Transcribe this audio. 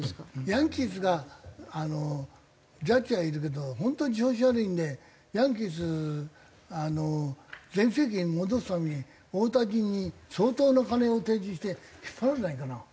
ヤンキースがジャッジはいるけど本当に調子悪いんでヤンキース全盛期に戻すために大谷に相当の金を提示して引っ張らないかな。